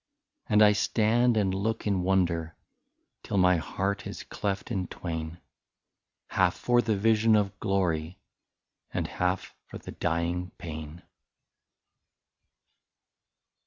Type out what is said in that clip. And I stand and look in wonder, Till my heart is cleft in twain, — Half for the vision of glory, And half for the dying pain.